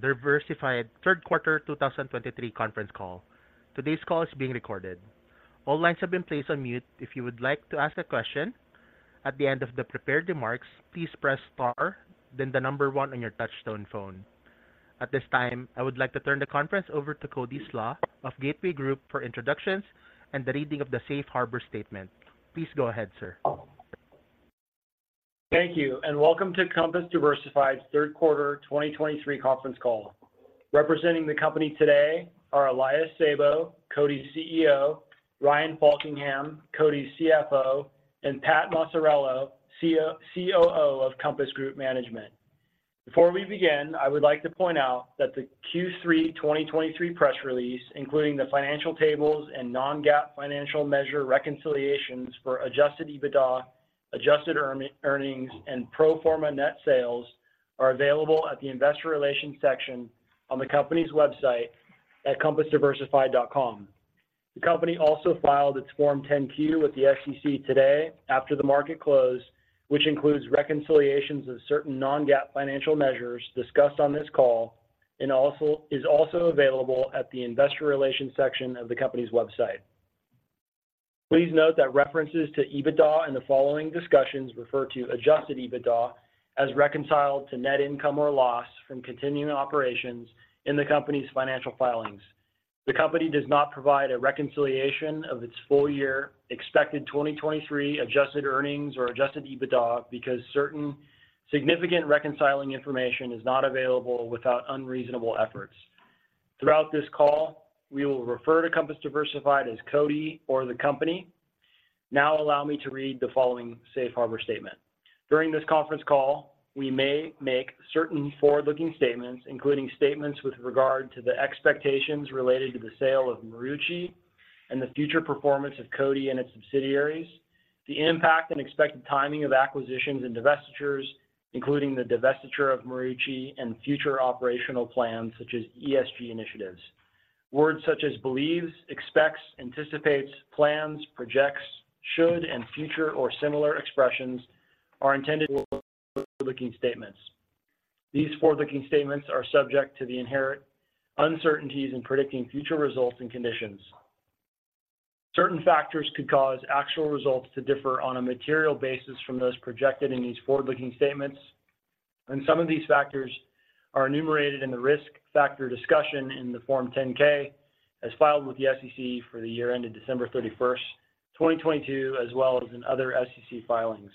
Diversified third quarter 2023 conference call. Today's call is being recorded. All lines have been placed on mute. If you would like to ask a question at the end of the prepared remarks, please press star, then the number one on your touchtone phone. At this time, I would like to turn the conference over to Cody Slach of Gateway Group for introductions and the reading of the safe harbor statement. Please go ahead, sir. Thank you, and welcome to Compass Diversified's third quarter 2023 conference call. Representing the company today are Elias Sabo, CODI's CEO, Ryan Faulkingham, CODI's CFO, and Pat Maciariello, COO of Compass Group Management. Before we begin, I would like to point out that the third quarter 2023 press release, including the financial tables and non-GAAP financial measure reconciliations for adjusted EBITDA, adjusted earnings and pro forma net sales, are available at the Investor Relations section on the company's website at compassdiversified.com. The company also filed its Form 10-Q with the SEC today after the market closed, which includes reconciliations of certain non-GAAP financial measures discussed on this call and is also available at the Investor Relations section of the company's website. Please note that references to EBITDA in the following discussions refer to adjusted EBITDA as reconciled to net income or loss from continuing operations in the company's financial filings. The company does not provide a reconciliation of its full year expected 2023 adjusted earnings or adjusted EBITDA because certain significant reconciling information is not available without unreasonable efforts. Throughout this call, we will refer to Compass Diversified as Cody or the company. Now allow me to read the following safe harbor statement. During this conference call, we may make certain forward-looking statements, including statements with regard to the expectations related to the sale of Marucci and the future performance of CODI and its subsidiaries, the impact and expected timing of acquisitions and divestitures, including the divestiture of Marucci and future operational plans such as ESG initiatives. Words such as believes, expects, anticipates, plans, projects, should, and future or similar expressions are intended to forward-looking statements. These forward-looking statements are subject to the inherent uncertainties in predicting future results and conditions. Certain factors could cause actual results to differ on a material basis from those projected in these forward-looking statements, and some of these factors are enumerated in the risk factor discussion in the Form 10-K, as filed with the SEC for the year ended December 31, 2022, as well as in other SEC filings.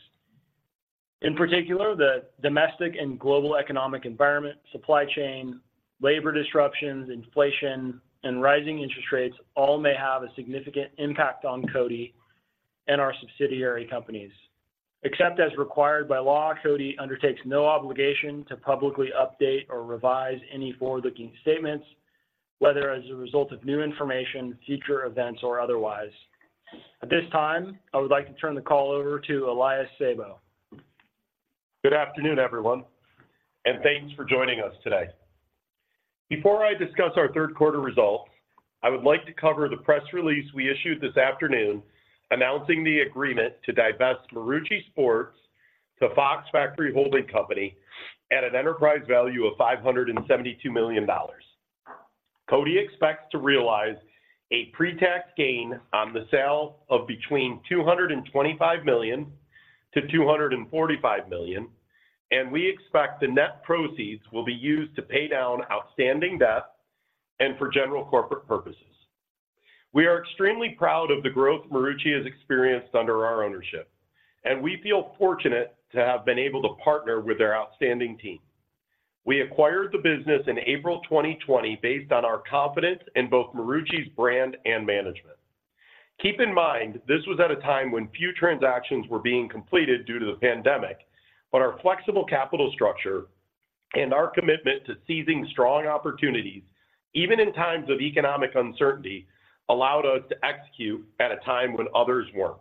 In particular, the domestic and global economic environment, supply chain, labor disruptions, inflation, and rising interest rates all may have a significant impact on CODI and our subsidiary companies. Except as required by law, CODI undertakes no obligation to publicly update or revise any forward-looking statements, whether as a result of new information, future events, or otherwise. At this time, I would like to turn the call over to Elias Sabo. Good afternoon, everyone, and thanks for joining us today. Before I discuss our third quarter results, I would like to cover the press release we issued this afternoon announcing the agreement to divest Marucci Sports to Fox Factory Holding Company at an enterprise value of $572 million. Cody expects to realize a pre-tax gain on the sale of between $225 million-$245 million, and we expect the net proceeds will be used to pay down outstanding debt and for general corporate purposes. We are extremely proud of the growth Marucci has experienced under our ownership, and we feel fortunate to have been able to partner with their outstanding team. We acquired the business in April 2020, based on our confidence in both Marucci's brand and management. Keep in mind, this was at a time when few transactions were being completed due to the pandemic, but our flexible capital structure and our commitment to seizing strong opportunities, even in times of economic uncertainty, allowed us to execute at a time when others weren't.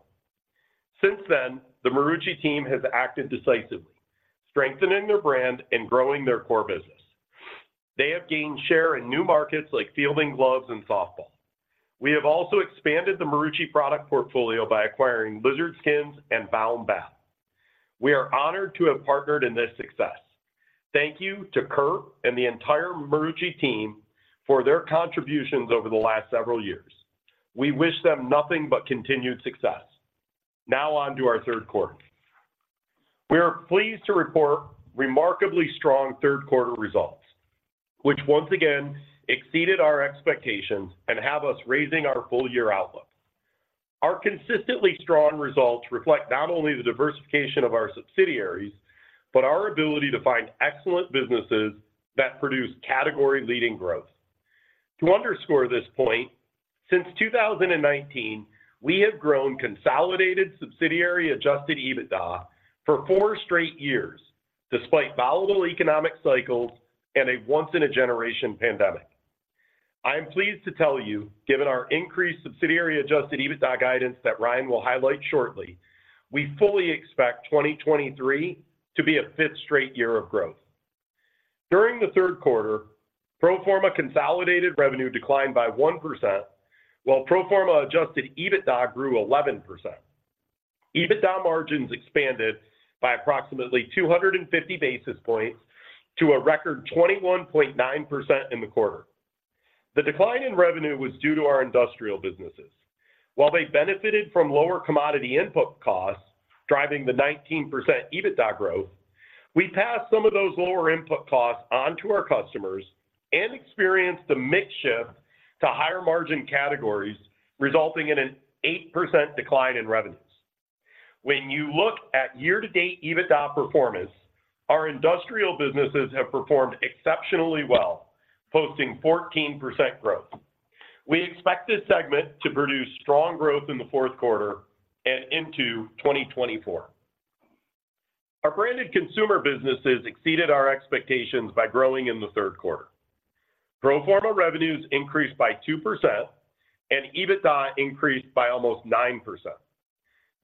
Since then, the Marucci team has acted decisively, strengthening their brand and growing their core business. They have gained share in new markets like fielding gloves and softball. We have also expanded the Marucci product portfolio by acquiring Lizard Skins and Baum Bat. We are honored to have partnered in this success. Thank you to Kurt and the entire Marucci team for their contributions over the last several years. We wish them nothing but continued success. Now on to our third quarter. We are pleased to report remarkably strong third quarter results, which once again exceeded our expectations and have us raising our full year outlook. Our consistently strong results reflect not only the diversification of our subsidiaries, but our ability to find excellent businesses that produce category-leading growth. To underscore this point, since 2019, we have grown consolidated subsidiary Adjusted EBITDA for 4 straight years, despite volatile economic cycles and a once-in-a-generation pandemic. I am pleased to tell you, given our increased subsidiary Adjusted EBITDA guidance that Ryan will highlight shortly, we fully expect 2023 to be a fifth straight year of growth. During the third quarter, pro forma consolidated revenue declined by 1%, while pro forma Adjusted EBITDA grew 11%. EBITDA margins expanded by approximately 250 basis points to a record 21.9% in the quarter. The decline in revenue was due to our industrial businesses. While they benefited from lower commodity input costs, driving the 19% EBITDA growth, we passed some of those lower input costs on to our customers and experienced a mix shift to higher-margin categories, resulting in an 8% decline in revenues. When you look at year-to-date EBITDA performance, our industrial businesses have performed exceptionally well, posting 14% growth. We expect this segment to produce strong growth in the fourth quarter and into 2024. Our branded consumer businesses exceeded our expectations by growing in the third quarter. Pro forma revenues increased by 2%, and EBITDA increased by almost 9%.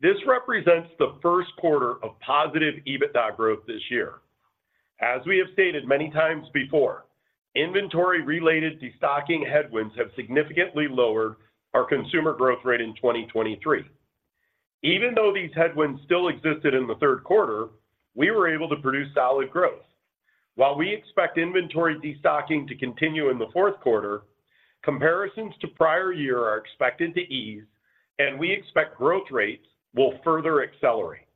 This represents the first quarter of positive EBITDA growth this year. As we have stated many times before, inventory-related destocking headwinds have significantly lowered our consumer growth rate in 2023. Even though these headwinds still existed in the third quarter, we were able to produce solid growth. While we expect inventory destocking to continue in the fourth quarter, comparisons to prior year are expected to ease, and we expect growth rates will further accelerate.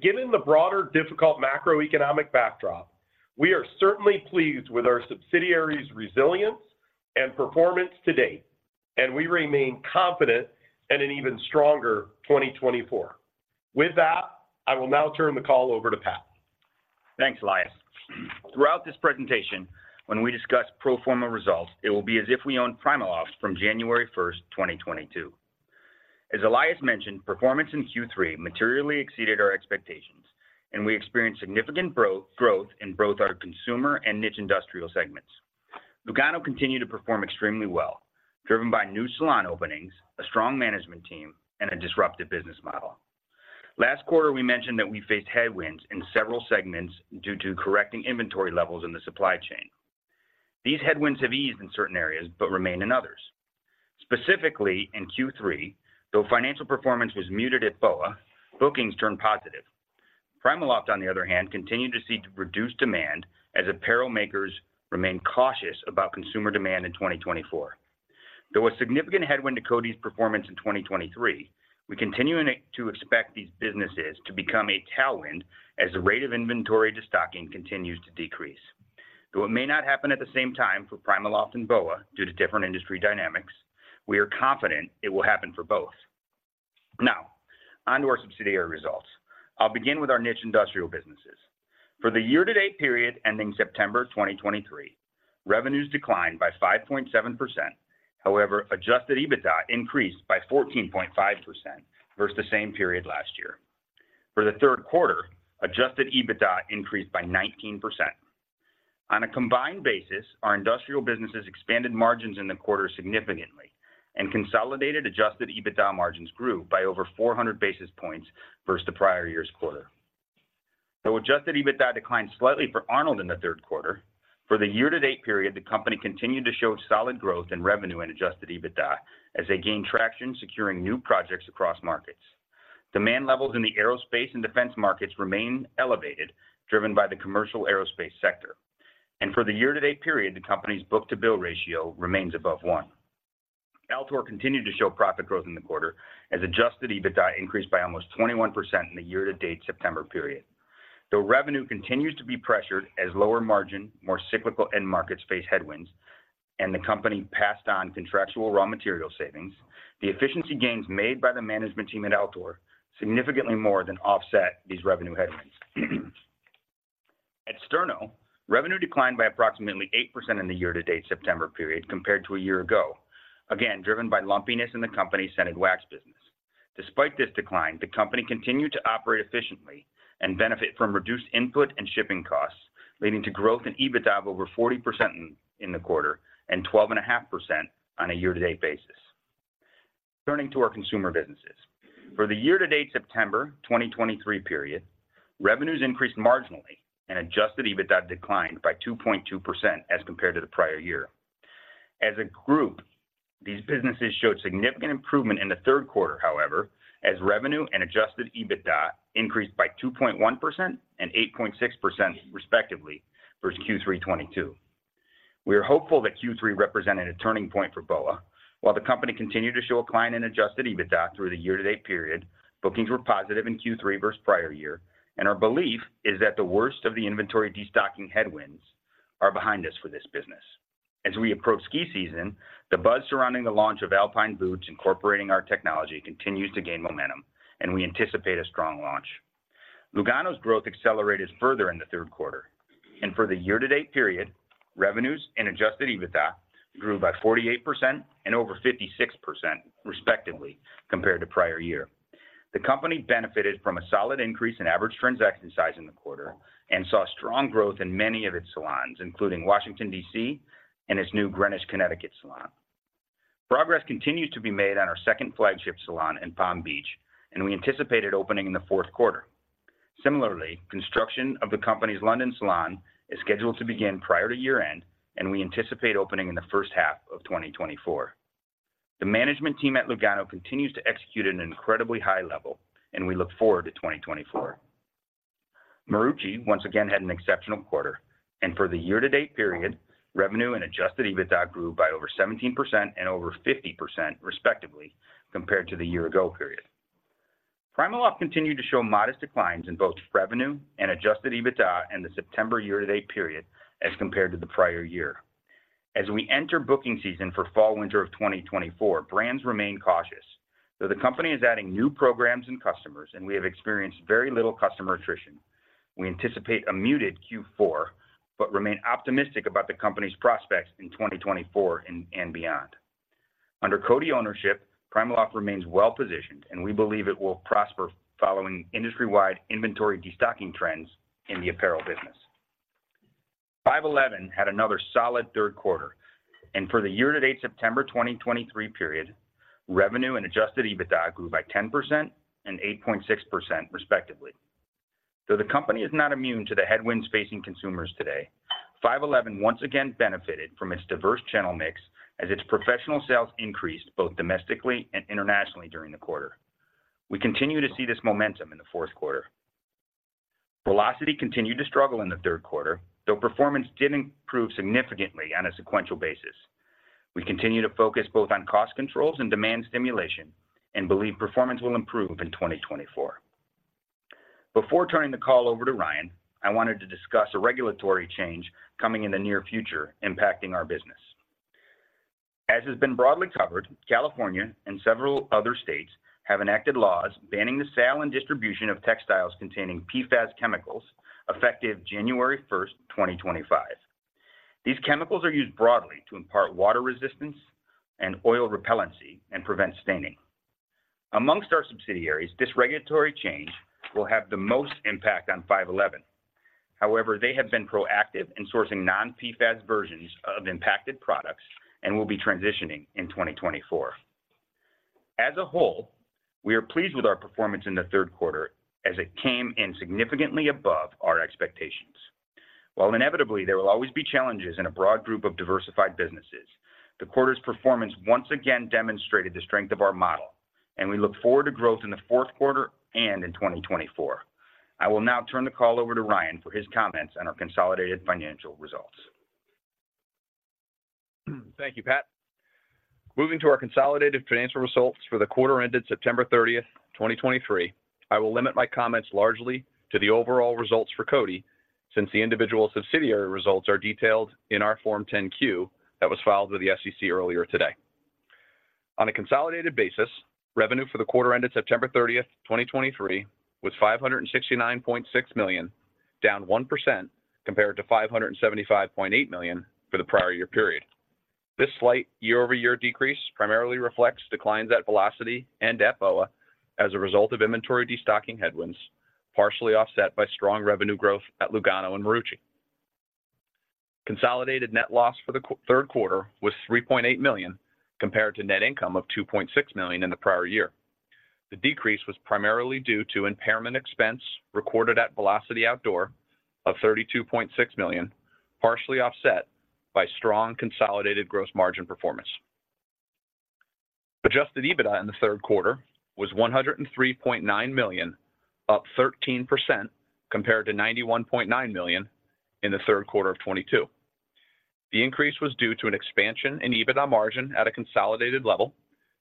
Given the broader, difficult macroeconomic backdrop, we are certainly pleased with our subsidiaries' resilience and performance to date, and we remain confident in an even stronger 2024. With that, I will now turn the call over to Pat. Thanks, Elias. Throughout this presentation, when we discuss pro forma results, it will be as if we own PrimaLoft from January 1, 2022. As Elias mentioned, performance in third quarter materially exceeded our expectations, and we experienced significant growth in both our consumer and niche industrial segments. Lugano continued to perform extremely well, driven by new salon openings, a strong management team, and a disruptive business model. Last quarter, we mentioned that we faced headwinds in several segments due to correcting inventory levels in the supply chain. These headwinds have eased in certain areas but remain in others. Specifically, in third quarter, though financial performance was muted at BOA, bookings turned positive. PrimaLoft, on the other hand, continued to see reduced demand as apparel makers remained cautious about consumer demand in 2024. Though a significant headwind to Cody's performance in 2023, we continue to expect these businesses to become a tailwind as the rate of inventory destocking continues to decrease. Though it may not happen at the same time for PrimaLoft and BOA due to different industry dynamics, we are confident it will happen for both. Now, on to our subsidiary results. I'll begin with our niche industrial businesses. For the year-to-date period ending September 2023, revenues declined by 5.7%. However, Adjusted EBITDA increased by 14.5% versus the same period last year. For the third quarter, Adjusted EBITDA increased by 19%. On a combined basis, our industrial businesses expanded margins in the quarter significantly, and consolidated Adjusted EBITDA margins grew by over 400 basis points versus the prior year's quarter. Though Adjusted EBITDA declined slightly for Arnold in the third quarter, for the year-to-date period, the company continued to show solid growth in revenue and Adjusted EBITDA as they gained traction, securing new projects across markets. Demand levels in the aerospace and defense markets remain elevated, driven by the commercial aerospace sector. And for the year-to-date period, the company's book-to-bill ratio remains above one. Altor continued to show profit growth in the quarter as Adjusted EBITDA increased by almost 21% in the year-to-date September period. Though revenue continues to be pressured as lower margin, more cyclical end markets face headwinds, and the company passed on contractual raw material savings, the efficiency gains made by the management team at Altor significantly more than offset these revenue headwinds. At Sterno, revenue declined by approximately 8% in the year-to-date September period compared to a year ago, again, driven by lumpiness in the company's scented wax business. Despite this decline, the company continued to operate efficiently and benefit from reduced input and shipping costs, leading to growth in EBITDA of over 40% in the quarter and 12.5% on a year-to-date basis. Turning to our consumer businesses. For the year-to-date September 2023 period, revenues increased marginally and adjusted EBITDA declined by 2.2% as compared to the prior year. As a group, these businesses showed significant improvement in the third quarter, however, as revenue and adjusted EBITDA increased by 2.1% and 8.6%, respectively, versus third quarter 2022. We are hopeful that third quarter represented a turning point for BOA. While the company continued to show a decline in Adjusted EBITDA through the year-to-date period, bookings were positive in third quarter versus prior year, and our belief is that the worst of the inventory destocking headwinds are behind us for this business. As we approach ski season, the buzz surrounding the launch of Alpine boots, incorporating our technology, continues to gain momentum, and we anticipate a strong launch. Lugano's growth accelerated further in the third quarter, and for the year-to-date period, revenues and Adjusted EBITDA grew by 48% and over 56%, respectively, compared to prior year. The company benefited from a solid increase in average transaction size in the quarter and saw strong growth in many of its salons, including Washington, D.C., and its new Greenwich, Connecticut, salon. Progress continues to be made on our second flagship salon in Palm Beach, and we anticipate it opening in the fourth quarter. Similarly, construction of the company's London salon is scheduled to begin prior to year-end, and we anticipate opening in the first half of 2024. The management team at Lugano continues to execute at an incredibly high level, and we look forward to 2024. Marucci once again had an exceptional quarter, and for the year-to-date period, revenue and Adjusted EBITDA grew by over 17% and over 50%, respectively, compared to the year ago period. PrimaLoft continued to show modest declines in both revenue and Adjusted EBITDA in the September year-to-date period as compared to the prior year. As we enter booking season for fall/winter of 2024, brands remain cautious. Though the company is adding new programs and customers, and we have experienced very little customer attrition, we anticipate a muted fourth quarter, but remain optimistic about the company's prospects in 2024 and, and beyond. Under CODI ownership, PrimaLoft remains well-positioned, and we believe it will prosper following industry-wide inventory destocking trends in the apparel business. 5.11 had another solid third quarter, and for the year-to-date September 2023 period, revenue and Adjusted EBITDA grew by 10% and 8.6%, respectively. Though the company is not immune to the headwinds facing consumers today, 5.11 once again benefited from its diverse channel mix as its professional sales increased both domestically and internationally during the quarter. We continue to see this momentum in the fourth quarter. Velocity continued to struggle in the third quarter, though performance did improve significantly on a sequential basis. We continue to focus both on cost controls and demand stimulation and believe performance will improve in 2024. Before turning the call over to Ryan, I wanted to discuss a regulatory change coming in the near future impacting our business. As has been broadly covered, California and several other states have enacted laws banning the sale and distribution of textiles containing PFAS chemicals, effective January 1, 2025. These chemicals are used broadly to impart water resistance and oil repellency and prevent staining. Among our subsidiaries, this regulatory change will have the most impact on 5.11. However, they have been proactive in sourcing non-PFAS versions of impacted products and will be transitioning in 2024. As a whole, we are pleased with our performance in the third quarter as it came in significantly above our expectations. While inevitably, there will always be challenges in a broad group of diversified businesses, the quarter's performance once again demonstrated the strength of our model, and we look forward to growth in the fourth quarter and in 2024. I will now turn the call over to Ryan for his comments on our consolidated financial results. Thank you, Pat. Moving to our consolidated financial results for the quarter ended September 30, 2023, I will limit my comments largely to the overall results for CODI, since the individual subsidiary results are detailed in our Form 10-Q that was filed with the SEC earlier today. On a consolidated basis, revenue for the quarter ended September 30, 2023, was $569.6 million, down 1% compared to $575.8 million for the prior year period. This slight year-over-year decrease primarily reflects declines at Velocity and at BOA as a result of inventory destocking headwinds, partially offset by strong revenue growth at Lugano and Marucci. Consolidated net loss for the third quarter was $3.8 million, compared to net income of $2.6 million in the prior year. The decrease was primarily due to impairment expense recorded at Velocity Outdoor of $32.6 million, partially offset by strong consolidated gross margin performance. Adjusted EBITDA in the third quarter was $103.9 million, up 13% compared to $91.9 million in the third quarter of 2022. The increase was due to an expansion in EBITDA margin at a consolidated level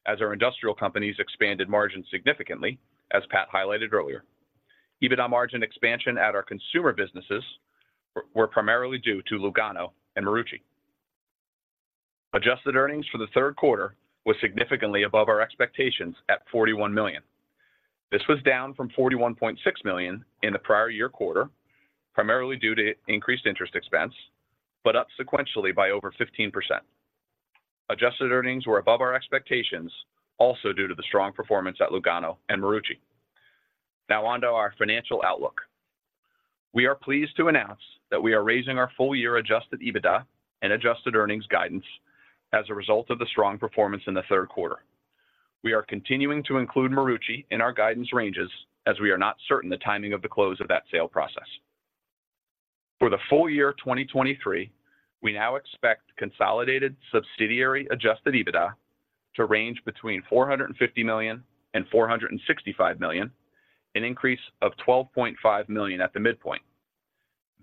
as our industrial companies expanded margins significantly, as Pat highlighted earlier. EBITDA margin expansion at our consumer businesses were primarily due to Lugano and Marucci. Adjusted earnings for the third quarter were significantly above our expectations at $41 million. This was down from $41.6 million in the prior year quarter, primarily due to increased interest expense, but up sequentially by over 15%. Adjusted earnings were above our expectations, also due to the strong performance at Lugano and Marucci. Now on to our financial outlook. We are pleased to announce that we are raising our full year Adjusted EBITDA and adjusted earnings guidance as a result of the strong performance in the third quarter. We are continuing to include Marucci in our guidance ranges as we are not certain the timing of the close of that sale process. For the full year 2023, we now expect consolidated subsidiary Adjusted EBITDA to range between $450 million and $465 million, an increase of $12.5 million at the midpoint.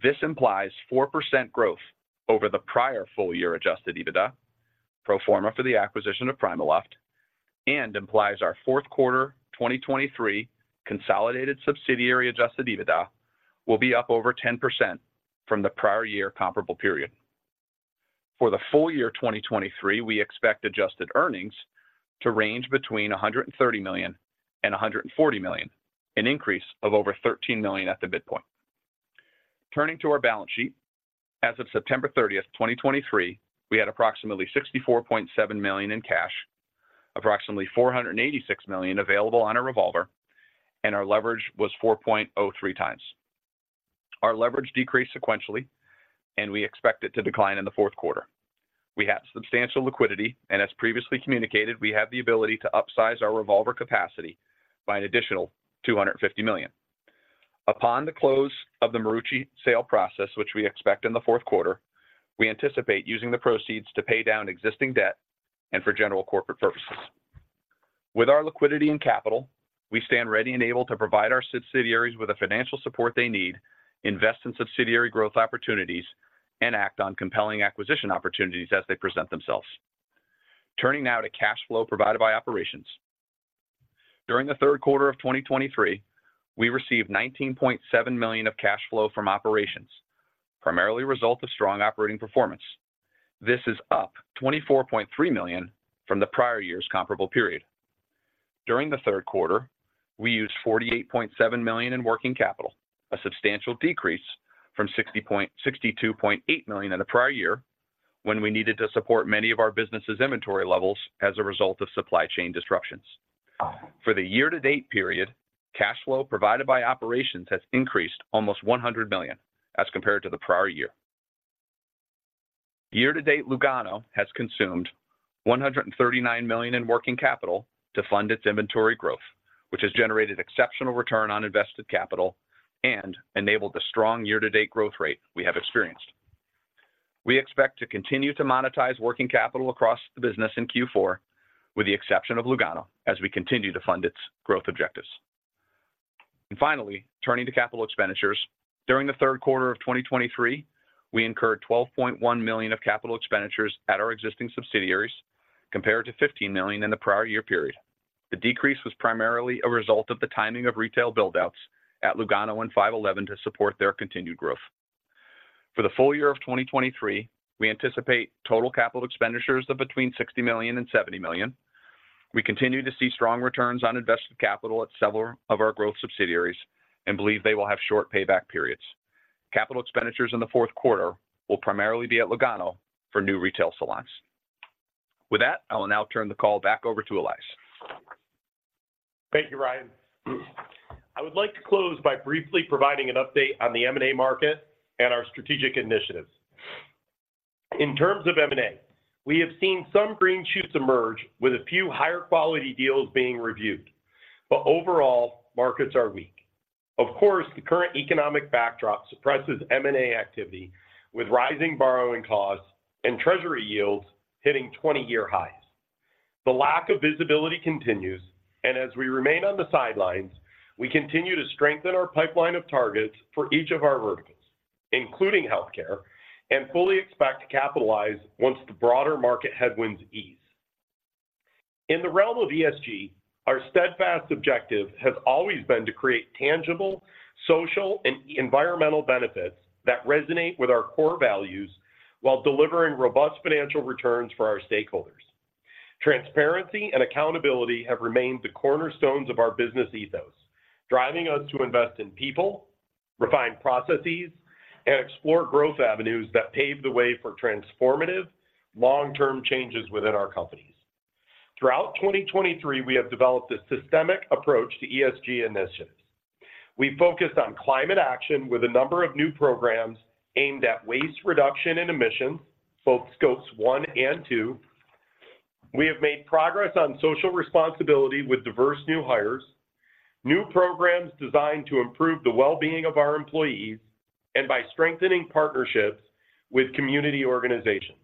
This implies 4% growth over the prior full year Adjusted EBITDA, pro forma for the acquisition of PrimaLoft, and implies our fourth quarter 2023 consolidated subsidiary Adjusted EBITDA will be up over 10% from the prior year comparable period. For the full year 2023, we expect adjusted earnings to range between $130 million and $140 million, an increase of over $13 million at the midpoint. Turning to our balance sheet, as of September 30, 2023, we had approximately $64.7 million in cash, approximately $486 million available on our revolver, and our leverage was 4.03x. Our leverage decreased sequentially, and we expect it to decline in the fourth quarter. We have substantial liquidity, and as previously communicated, we have the ability to upsize our revolver capacity by an additional $250 million. Upon the close of the Marucci sale process, which we expect in the fourth quarter, we anticipate using the proceeds to pay down existing debt and for general corporate purposes. With our liquidity and capital, we stand ready and able to provide our subsidiaries with the financial support they need, invest in subsidiary growth opportunities, and act on compelling acquisition opportunities as they present themselves. Turning now to cash flow provided by operations. During the third quarter of 2023, we received $19.7 million of cash flow from operations, primarily a result of strong operating performance. This is up $24.3 million from the prior year's comparable period. During the third quarter, we used $48.7 million in working capital, a substantial decrease from $62.8 million in the prior year, when we needed to support many of our business's inventory levels as a result of supply chain disruptions. For the year-to-date period, cash flow provided by operations has increased almost $100 million as compared to the prior year. Year to date, Lugano has consumed $139 million in working capital to fund its inventory growth, which has generated exceptional return on invested capital and enabled the strong year-to-date growth rate we have experienced. We expect to continue to monetize working capital across the business in fourth quarter, with the exception of Lugano, as we continue to fund its growth objectives. Finally, turning to capital expenditures. During the third quarter of 2023, we incurred $12.1 million of capital expenditures at our existing subsidiaries, compared to $15 million in the prior year period. The decrease was primarily a result of the timing of retail build-outs at Lugano and 5.11 to support their continued growth. For the full year of 2023, we anticipate total capital expenditures of between $60 million and $70 million. We continue to see strong returns on invested capital at several of our growth subsidiaries and believe they will have short payback periods. Capital expenditures in the fourth quarter will primarily be at Lugano for new retail salons. With that, I will now turn the call back over to Elias. Thank you, Ryan. I would like to close by briefly providing an update on the M&A market and our strategic initiatives. In terms of M&A, we have seen some green shoots emerge with a few higher quality deals being reviewed, but overall, markets are weak. Of course, the current economic backdrop suppresses M&A activity, with rising borrowing costs and treasury yields hitting 20-year highs. The lack of visibility continues, and as we remain on the sidelines, we continue to strengthen our pipeline of targets for each of our verticals, including healthcare, and fully expect to capitalize once the broader market headwinds ease. In the realm of ESG, our steadfast objective has always been to create tangible, social, and environmental benefits that resonate with our core values while delivering robust financial returns for our stakeholders. Transparency and accountability have remained the cornerstones of our business ethos, driving us to invest in people, refine processes, and explore growth avenues that pave the way for transformative, long-term changes within our companies. Throughout 2023, we have developed a systemic approach to ESG initiatives. We focused on climate action with a number of new programs aimed at waste reduction and emission, both Scopes One and Two. We have made progress on social responsibility with diverse new hires, new programs designed to improve the well-being of our employees, and by strengthening partnerships with community organizations.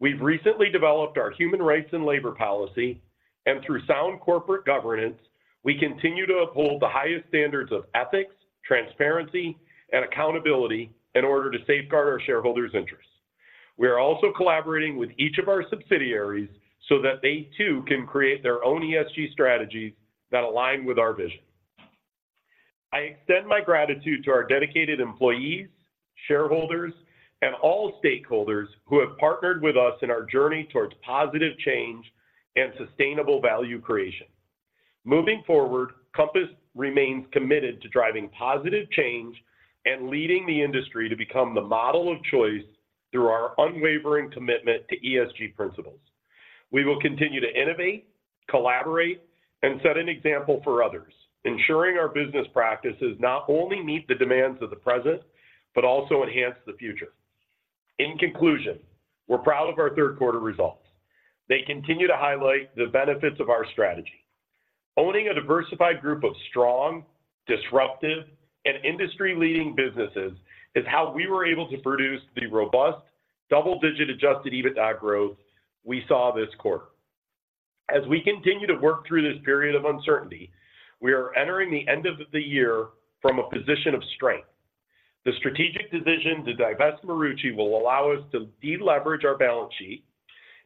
We've recently developed our human rights and labor policy, and through sound corporate governance, we continue to uphold the highest standards of ethics, transparency, and accountability in order to safeguard our shareholders' interests. We are also collaborating with each of our subsidiaries so that they too can create their own ESG strategies that align with our vision. I extend my gratitude to our dedicated employees, shareholders, and all stakeholders who have partnered with us in our journey towards positive change and sustainable value creation. Moving forward, Compass remains committed to driving positive change and leading the industry to become the model of choice through our unwavering commitment to ESG principles. We will continue to innovate, collaborate, and set an example for others, ensuring our business practices not only meet the demands of the present, but also enhance the future. In conclusion, we're proud of our third quarter results. They continue to highlight the benefits of our strategy. Owning a diversified group of strong, disruptive, and industry-leading businesses is how we were able to produce the robust, double-digit Adjusted EBITDA growth we saw this quarter. As we continue to work through this period of uncertainty, we are entering the end of the year from a position of strength. The strategic decision to divest Marucci will allow us to deleverage our balance sheet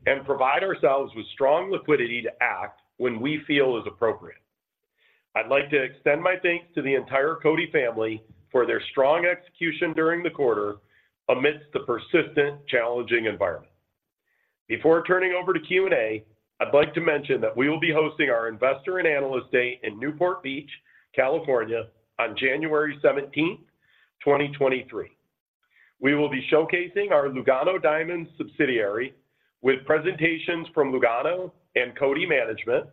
and provide ourselves with strong liquidity to act when we feel is appropriate. I'd like to extend my thanks to the entire Cody family for their strong execution during the quarter amidst the persistent, challenging environment. Before turning over to Q&A, I'd like to mention that we will be hosting our Investor and Analyst Day in Newport Beach, California, on January 17, 2023. We will be showcasing our Lugano Diamonds subsidiary with presentations from Lugano and Cody Management,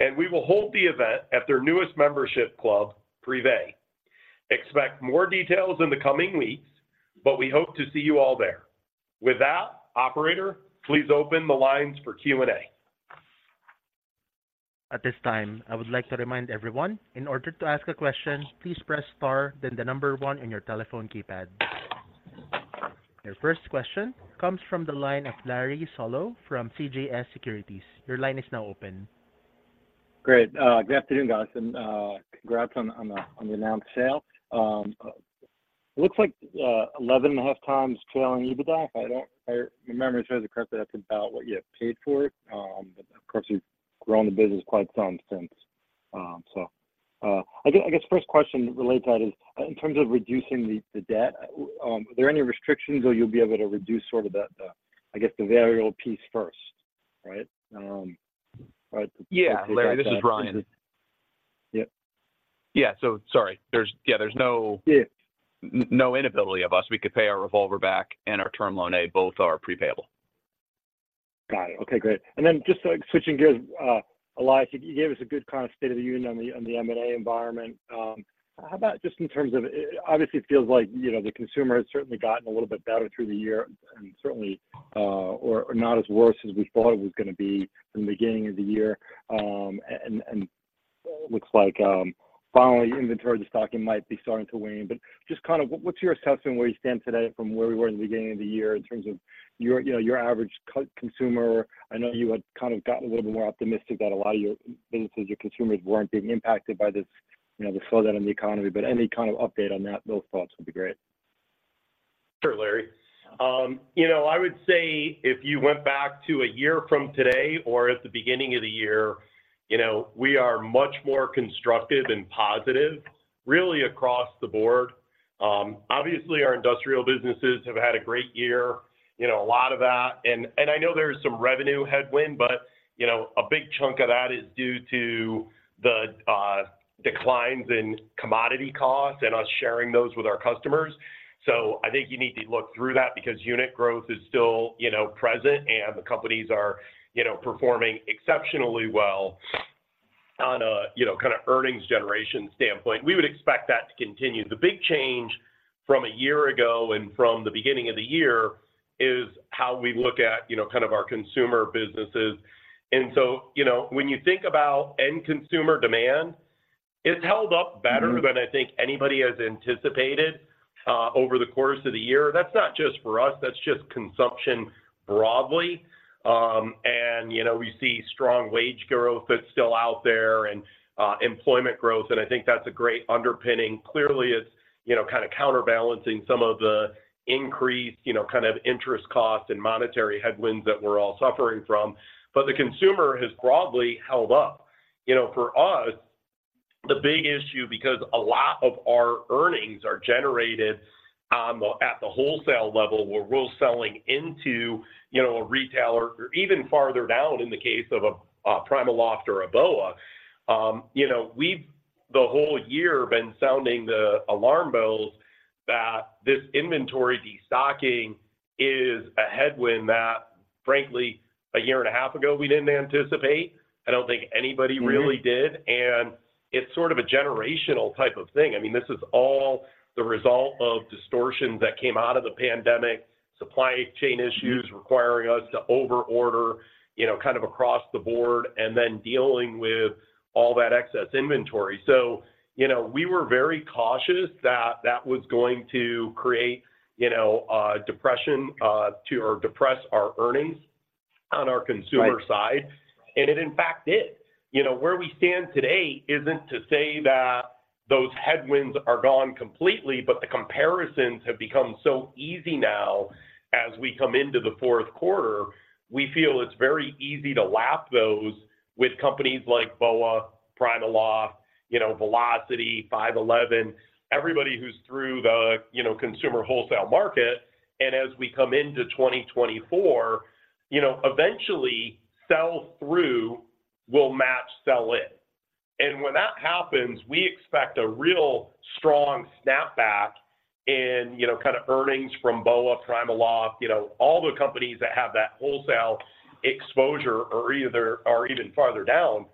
and we will hold the event at their newest membership club, Privé. Expect more details in the coming weeks, but we hope to see you all there. With that, operator, please open the lines for Q&A. At this time, I would like to remind everyone, in order to ask a question, please press star, then the number one on your telephone keypad. Your first question comes from the line of Larry Solow from CJS Securities. Your line is now open. Great. Good afternoon, guys, and congrats on the announced sale. It looks like 11.5 times trailing EBITDA. If my memory serves me correctly, that's about what you had paid for it. But of course, you've grown the business quite some since. So, I guess first question relates to that is, in terms of reducing the debt, are there any restrictions, or you'll be able to reduce sort of the, I guess, the variable piece first, right? But Yeah, Larry, this is Ryan. Yep. Yeah. So sorry. There's no Yeah No inability of us. We could pay our Revolver back and our Term Loan A, both are pre-payable. Got it. Okay, great. And then just like switching gears, Elias, you, you gave us a good kind of state of the union on the, on the M&A environment. How about just in terms of... Obviously, it feels like, you know, the consumer has certainly gotten a little bit better through the year and certainly, or, or not as worse as we thought it was gonna be from the beginning of the year. And, and it looks like, finally, inventory destocking might be starting to wane. But just kind of what, what's your assessment where you stand today from where we were in the beginning of the year in terms of your, you know, your average consumer? I know you had kind of gotten a little bit more optimistic that a lot of your businesses, your consumers weren't being impacted by this, you know, the slowdown in the economy, but any kind of update on that, those thoughts would be great. Sure, Larry. You know, I would say if you went back to a year from today or at the beginning of the year, you know, we are much more constructive and positive, really across the board. Obviously, our industrial businesses have had a great year, you know, a lot of that. And I know there's some revenue headwind, but, you know, a big chunk of that is due to the declines in commodity costs and us sharing those with our customers. So I think you need to look through that because unit growth is still, you know, present, and the companies are, you know, performing exceptionally well on a, you know, kind of earnings generation standpoint. We would expect that to continue. The big change from a year ago and from the beginning of the year is how we look at, you know, kind of our consumer businesses. And so, you know, when you think about end consumer demand, it's held up better than I think anybody has anticipated over the course of the year. That's not just for us, that's just consumption broadly. And, you know, we see strong wage growth that's still out there and employment growth, and I think that's a great underpinning. Clearly, it's, you know, kind of counterbalancing some of the increased, you know, kind of interest costs and monetary headwinds that we're all suffering from. But the consumer has broadly held up. You know, for us, the big issue, because a lot of our earnings are generated at the wholesale level, where we're selling into, you know, a retailer or even farther down in the case of a PrimaLoft or a BOA. You know, we've the whole year been sounding the alarm bells that this inventory destocking is a headwind that frankly, a year and a half ago, we didn't anticipate. I don't think anybody really did, and it's sort of a generational type of thing. I mean, this is all the result of distortions that came out of the pandemic, supply chain issues requiring us to overorder, you know, kind of across the board, and then dealing with all that excess inventory. So, you know, we were very cautious that that was going to create, you know, depression, to or depress our earnings on our consumer side- Right And it, in fact, is. You know, where we stand today isn't to say that those headwinds are gone completely, but the comparisons have become so easy now as we come into the fourth quarter. We feel it's very easy to lap those with companies like BOA, PrimaLoft, you know, Velocity, 5.11, everybody who's through the, you know, consumer wholesale market. And as we come into 2024, you know, eventually, sell-through will match sell-in. And when that happens, we expect a real strong snapback in, you know, kind of earnings from BOA, PrimaLoft, you know, all the companies that have that wholesale exposure or either are even farther down.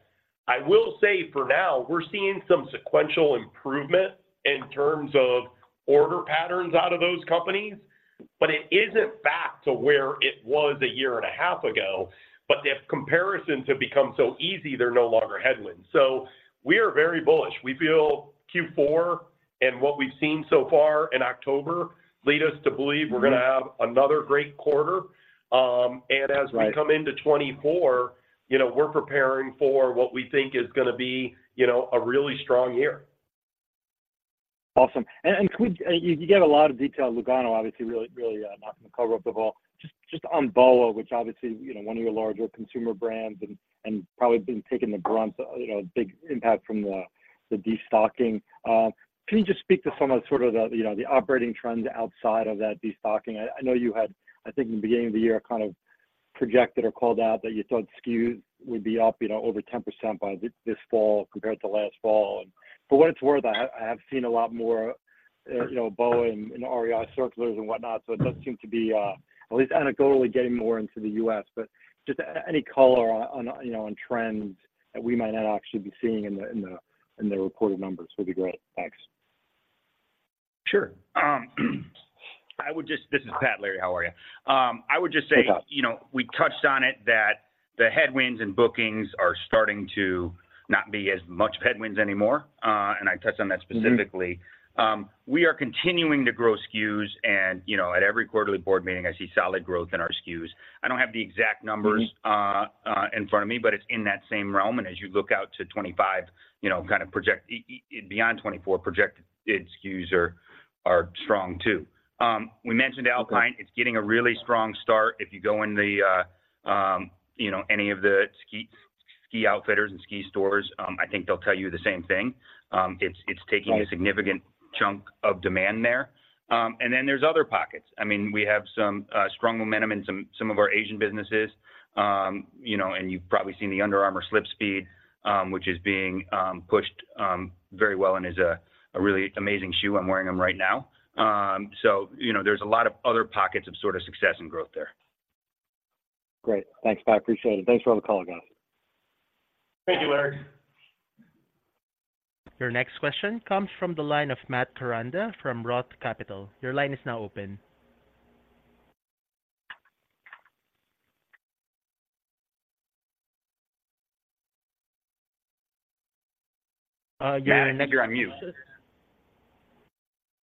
I will say for now, we're seeing some sequential improvement in terms of order patterns out of those companies, but it isn't back to where it was a year and a half ago. But if comparisons have become so easy, they're no longer headwinds. So we are very bullish. We feel fourth quarter and what we've seen so far in October lead us to believe we're gonna have another great quarter. And as we- Right Come into 2024, you know, we're preparing for what we think is gonna be, you know, a really strong year. Awesome. And could we, you gave a lot of detail. Lugano, obviously, really, really not gonna cover up the ball. Just on BOA, which obviously, you know, one of your larger consumer brands and probably been taking the brunt, you know, big impact from the destocking. Can you just speak to some of the sort of, you know, the operating trends outside of that destocking? I know you had, I think, in the beginning of the year, kind of projected or called out that you thought SKUs would be up, you know, over 10% by this fall compared to last fall? For what it's worth, I have seen a lot more, you know, Boeing and REI circulars and whatnot, so it does seem to be, at least anecdotally, getting more into the U.S. But just any color on, you know, on trends that we might not actually be seeing in the reported numbers would be great. Thanks. Sure. I would just—this is Pat, Larry, how are you? I would just say- Hey, Pat. You know, we touched on it that the headwinds and bookings are starting to not be as much headwinds anymore, and I touched on that specifically. We are continuing to grow SKUs, and, you know, at every quarterly board meeting, I see solid growth in our SKUs. I don't have the exact numbers in front of me, but it's in that same realm. As you look out to 2025, you know, kind of project beyond 2024, projected SKUs are strong, too. We mentioned Alpine. Okay. It's getting a really strong start. If you go in the, you know, any of the ski outfitters and ski stores, I think they'll tell you the same thing. It's taking- Right A significant chunk of demand there. And then there's other pockets. I mean, we have some strong momentum in some of our Asian businesses. You know, and you've probably seen the Under Armour SlipSpeed, which is being pushed very well and is a really amazing shoe. I'm wearing them right now. So, you know, there's a lot of other pockets of sort of success and growth there. Great. Thanks, Pat, appreciate it. Thanks for the call, guys. Thank you, Larry. Your next question comes from the line of Matt Koranda from Roth Capital. Your line is now open. Matt, I think you're on mute.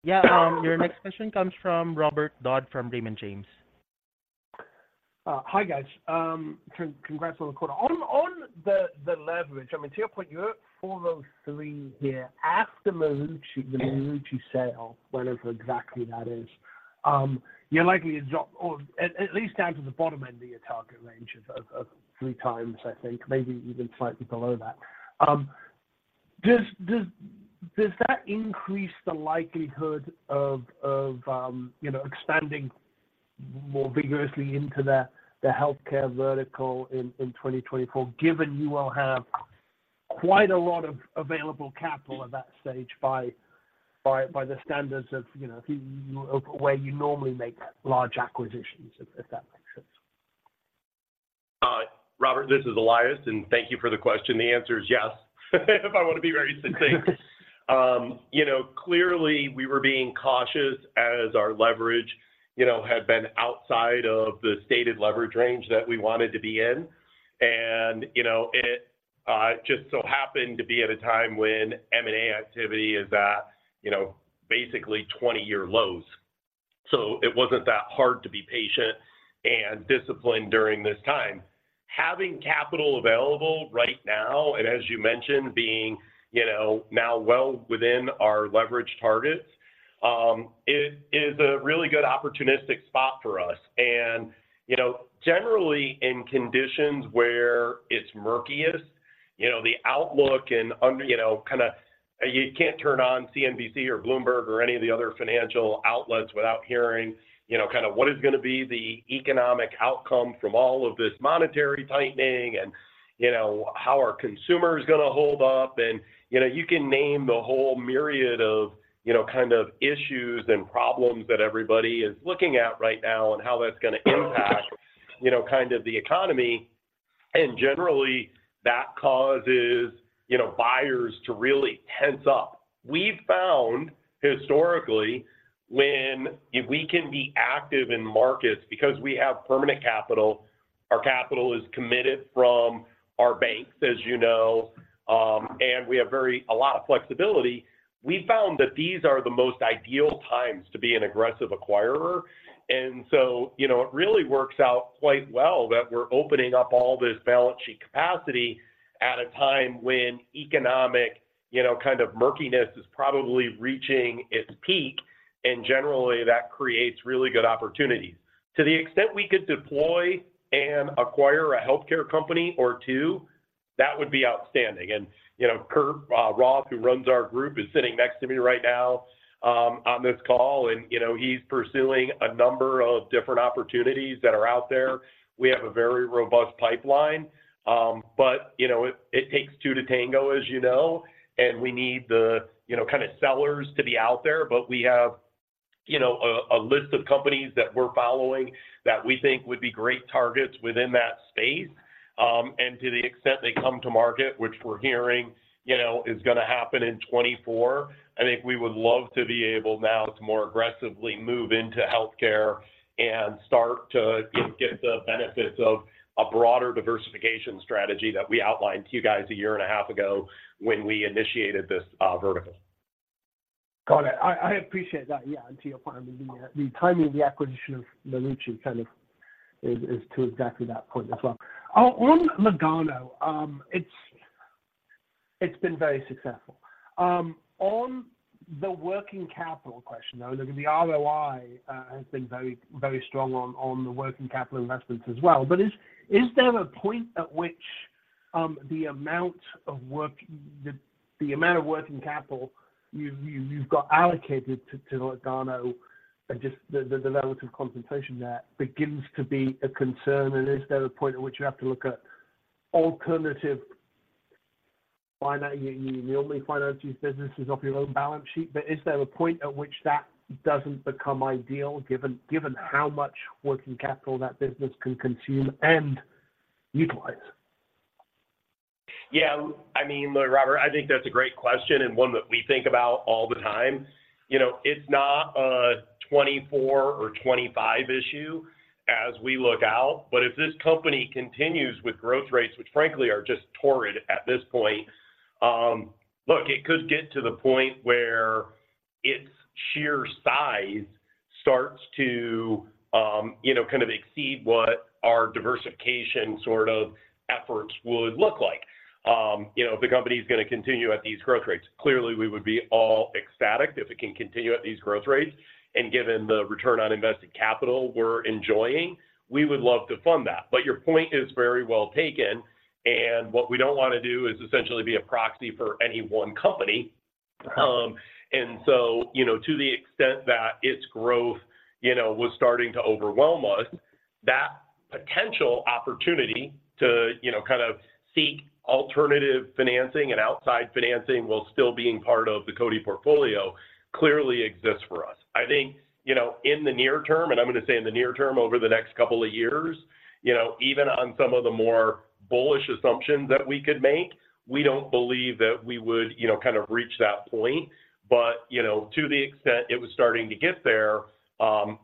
Yeah, your next question comes from Robert Dodd from Raymond James. Hi, guys. Congrats on the quarter. On the leverage, I mean, to your point, you're at 403 here. After Marucci, the Marucci sale, whenever exactly that is, you're likely to drop, or at least down to the bottom end of your target range of 3x, I think, maybe even slightly below that. Does that increase the likelihood of, you know, expanding more vigorously into the healthcare vertical in 2024, given you will have quite a lot of available capital at that stage by the standards of, you know, where you normally make large acquisitions, if that makes sense? Robert, this is Elias, and thank you for the question. The answer is yes, if I want to be very succinct. You know, clearly, we were being cautious as our leverage, you know, had been outside of the stated leverage range that we wanted to be in. And, you know, it just so happened to be at a time when M&A activity is at, you know, basically 20-year lows. So it wasn't that hard to be patient and disciplined during this time. Having capital available right now, and as you mentioned, being, you know, now well within our leverage targets, it is a really good opportunistic spot for us. And, you know, generally in conditions where it's murkiest, you know, the outlook and under... You know, kinda, you can't turn on CNBC or Bloomberg or any of the other financial outlets without hearing, you know, kind of what is gonna be the economic outcome from all of this monetary tightening, and, you know, how are consumers gonna hold up? And, you know, you can name the whole myriad of, you know, kind of issues and problems that everybody is looking at right now and how that's gonna impact, you know, kind of the economy, and generally, that causes, you know, buyers to really tense up. We've found historically, when if we can be active in markets because we have permanent capital, our capital is committed from our banks, as you know, and we have a lot of flexibility. We found that these are the most ideal times to be an aggressive acquirer. And so, you know, it really works out quite well that we're opening up all this balance sheet capacity at a time when economic, you know, kind of murkiness is probably reaching its peak, and generally, that creates really good opportunities. To the extent we could deploy and acquire a healthcare company or two, that would be outstanding. You know, Kirk Roth, who runs our group, is sitting next to me right now on this call, and, you know, he's pursuing a number of different opportunities that are out there. We have a very robust pipeline, but, you know, it takes two to tango, as you know, and we need the, you know, kind of sellers to be out there. We have, you know, a list of companies that we're following that we think would be great targets within that space. And to the extent they come to market, which we're hearing, you know, is gonna happen in 2024, I think we would love to be able now to more aggressively move into healthcare and start to, you know, get the benefits of a broader diversification strategy that we outlined to you guys a year and a half ago when we initiated this vertical. Got it. I appreciate that. Yeah, and to your point, the timing of the acquisition of Marucci kind of is to exactly that point as well. On Lugano, it's been very successful. On the working capital question, though, the ROI has been very, very strong on the working capital investments as well. But is there a point at which the amount of working capital you've got allocated to Lugano and just the relative compensation there begins to be a concern? And is there a point at which you have to look at alternative financing? You normally finance these businesses off your own balance sheet, but is there a point at which that doesn't become ideal, given how much working capital that business can consume and utilize? Yeah, I mean, look, Robert, I think that's a great question and one that we think about all the time. You know, it's not a 2024 or 2025 issue as we look out, but if this company continues with growth rates, which frankly are just torrid at this point, look, it could get to the point where its sheer size starts to, you know, kind of exceed what our diversification sort of efforts would look like. You know, if the company's gonna continue at these growth rates. Clearly, we would be all ecstatic if it can continue at these growth rates. And given the return on invested capital we're enjoying, we would love to fund that. But your point is very well taken, and what we don't want to do is essentially be a proxy for any one company. And so, you know, to the extent that its growth, you know, was starting to overwhelm us, that potential opportunity to, you know, kind of seek alternative financing and outside financing while still being part of the CODI portfolio, clearly exists for us. I think, you know, in the near term, and I'm gonna say in the near term, over the next couple of years, you know, even on some of the more bullish assumptions that we could make, we don't believe that we would, you know, kind of reach that point. But, you know, to the extent it was starting to get there,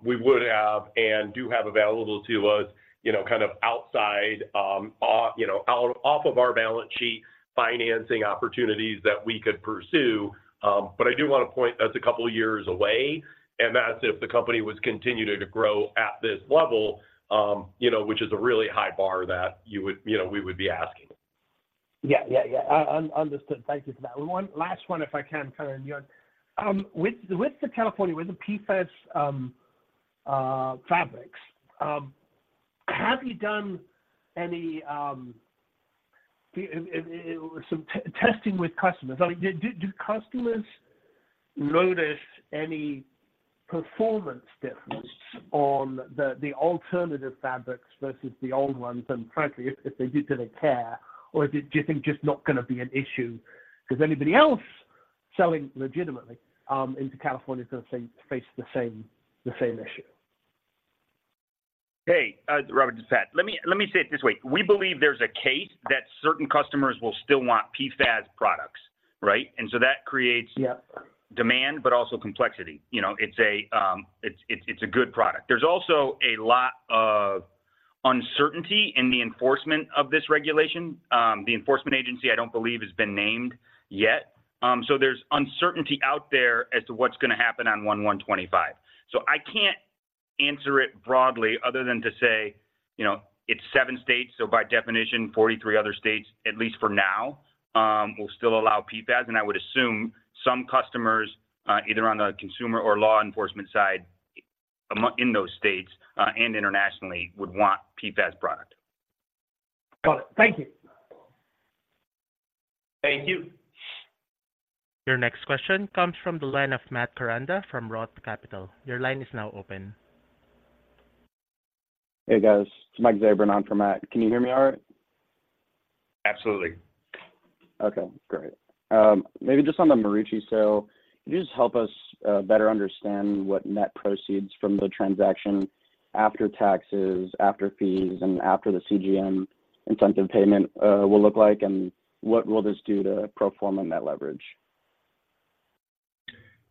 we would have and do have available to us, you know, kind of outside, off of our balance sheet financing opportunities that we could pursue. But I do want to point. That's a couple of years away, and that's if the company was continuing to grow at this level, you know, which is a really high bar that you woulyou know, we would be asking. Yeah, yeah, yeah. Understood. Thank you for that. One last one, if I can, kind of on your with the California, with the PFAS, fabrics, have you done any some testing with customers? I mean, do customers notice any performance difference on the alternative fabrics versus the old ones? And frankly, if they do, do they care, or do you think just not gonna be an issue because anybody else selling legitimately into California is gonna face the same issue? Hey, Robert, it's Pat. Let me say it this way: We believe there's a case that certain customers will still want PFAS products, right? And so that creates- Yep Demand, but also complexity. You know, it's a good product. There's also a lot of uncertainty in the enforcement of this regulation. The enforcement agency, I don't believe, has been named yet. So there's uncertainty out there as to what's gonna happen on 1/1/2025. So I can't answer it broadly other than to say, you know, it's seven states, so by definition, 43 other states, at least for now, will still allow PFAS. And I would assume some customers, either on the consumer or law enforcement side, in those states, and internationally, would want PFAS product. Got it. Thank you. Thank you. Your next question comes from the line of Matt Koranda from Roth Capital. Your line is now open. Hey, guys. It's Mike Zabran on for Matt. Can you hear me all right? Absolutely. Okay, great. Maybe just on the Marucci sale, can you just help us better understand what net proceeds from the transaction after taxes, after fees, and after the CGM incentive payment will look like, and what will this do to pro forma net leverage?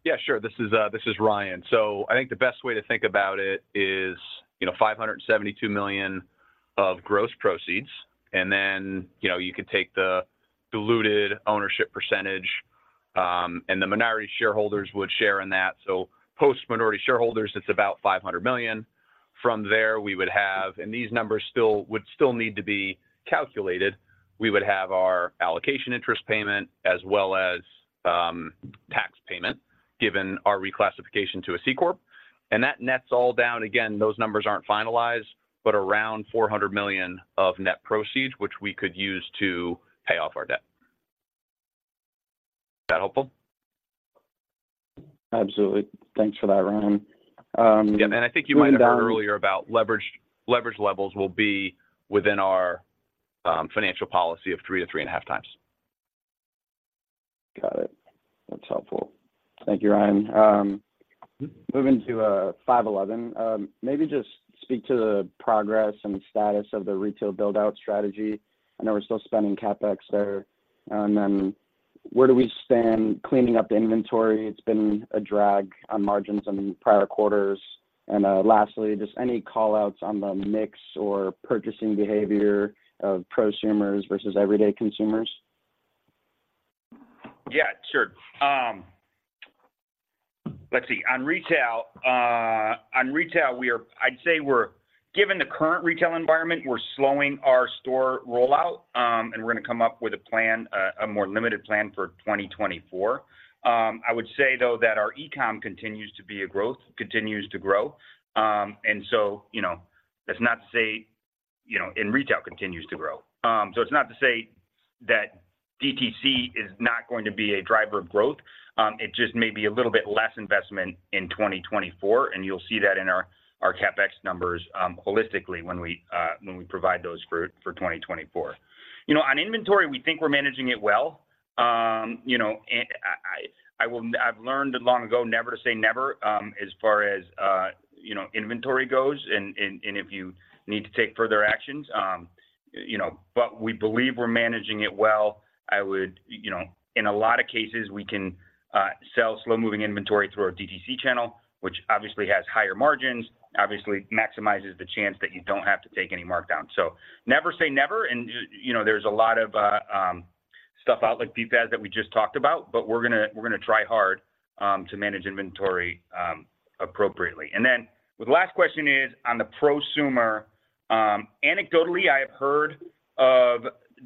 Yeah, sure. This is Ryan. So I think the best way to think about it is, you know, $572 million of gross proceeds, and then, you know, you can take the diluted ownership percentage, and the minority shareholders would share in that. So post-minority shareholders, it's about $500 million. From there, we would have and these numbers would still need to be calculated. We would have our allocation interest payment as well as tax payment, given our reclassification to a C Corp. And that nets all down. Again, those numbers aren't finalized, but around $400 million of net proceeds, which we could use to pay off our debt. Is that helpful? Absolutely. Thanks for that, Ryan. Yeah, and I think you might have heard earlier about leverage. Leverage levels will be within our financial policy of 3-3.5x. Got it. That's helpful. Thank you, Ryan. Moving to 5.11. Maybe just speak to the progress and the status of the retail build-out strategy. I know we're still spending CapEx there. And then where do we stand cleaning up the inventory? It's been a drag on margins in prior quarters. And lastly, just any call-outs on the mix or purchasing behavior of prosumers versus everyday consumers? Yeah, sure. Let's see. On retail, I'd say we're given the current retail environment, we're slowing our store rollout, and we're gonna come up with a plan, a more limited plan for 2024. I would say, though, that our e-com continues to be a growth, continues to grow. And so, you know, that's not to say you know, and retail continues to grow. So it's not to say that DTC is not going to be a driver of growth, it just may be a little bit less investment in 2024, and you'll see that in our CapEx numbers, holistically, when we provide those for 2024. You know, on inventory, we think we're managing it well, you know, and I will. I've learned long ago, never to say never, as far as, you know, inventory goes and if you need to take further actions, you know, but we believe we're managing it well. I would, you know, in a lot of cases, we can sell slow-moving inventory through our DTC channel, which obviously has higher margins, obviously maximizes the chance that you don't have to take any markdown. So never say never, and, you know, there's a lot of stuff out like PFAS that we just talked about, but we're gonna try hard to manage inventory appropriately. And then the last question is on the prosumer. Anecdotally, I have heard of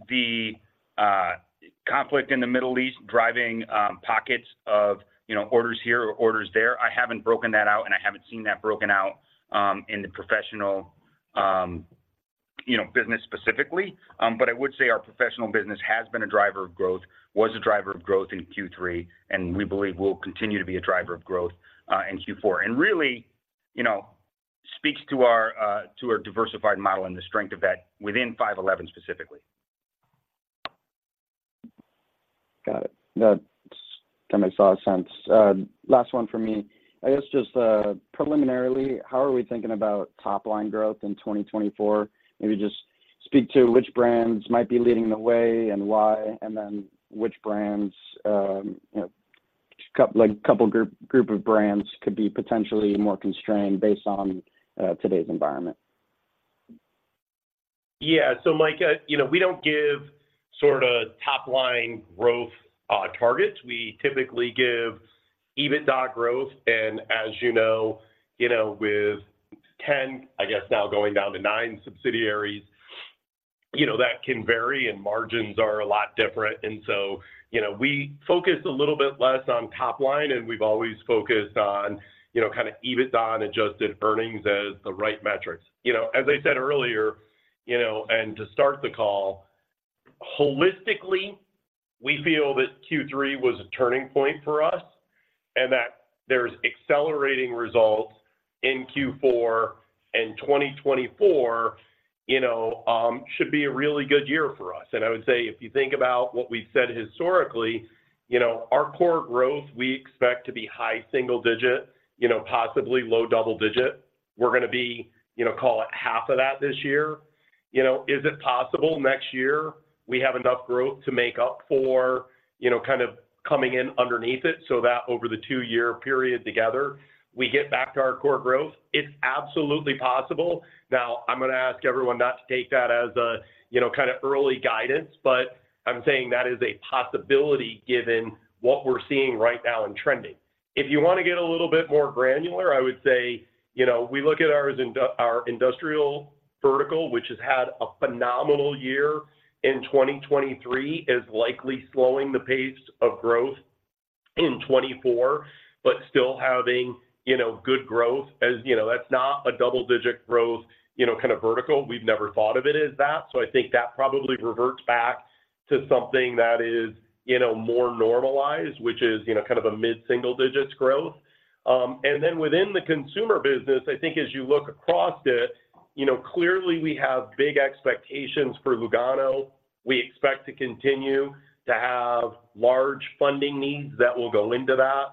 the conflict in the Middle East, driving pockets of, you know, orders here or orders there. I haven't broken that out, and I haven't seen that broken out, in the professional, you know, business specifically. But I would say our professional business has been a driver of growth, was a driver of growth in third quarter, and we believe will continue to be a driver of growth, in fourth quarter. And really, you know, speaks to our, to our diversified model and the strength of that within 5.11 specifically. Got it. That kind of makes a lot of sense. Last one for me, I guess just preliminarily, how are we thinking about top-line growth in 2024? Maybe just speak to which brands might be leading the way and why, and then which brands, you know, couple, like, couple group, group of brands could be potentially more constrained based on today's environment. Yeah. So, Mike, you know, we don't give sort of top-line growth targets. We typically give EBITDA growth, and as you know, you know, with 10, I guess now going down to 9 subsidiaries, you know, that can vary, and margins are a lot different. And so, you know, we focus a little bit less on top line, and we've always focused on, you know, kind of EBITDA and adjusted earnings as the right metrics. You know, as I said earlier, you know, and to start the call, holistically, we feel that third quarter was a turning point for us, and that there's accelerating results in fourth quarter, and 2024, you know, should be a really good year for us. I would say if you think about what we've said historically, you know, our core growth, we expect to be high single digit, you know, possibly low double digit. We're gonna be, you know, call it half of that this year. You know, is it possible next year, we have enough growth to make up for, you know, kind of coming in underneath it, so that over the two-year period together, we get back to our core growth? It's absolutely possible. Now, I'm gonna ask everyone not to take that as a, you know, kind of early guidance, but I'm saying that is a possibility given what we're seeing right now and trending. If you want to get a little bit more granular, I would say, you know, we look at ours, our industrial vertical, which has had a phenomenal year in 2023, is likely slowing the pace of growth in 2024, but still having, you know, good growth. As you know, that's not a double-digit growth, you know, kind of vertical. We've never thought of it as that. So I think that probably reverts back to something that is, you know, more normalized, which is, you know, kind of a mid-single digits growth. And then within the consumer business, I think as you look across it, you know, clearly we have big expectations for Lugano. We expect to continue to have large funding needs that will go into that.